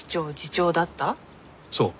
そう。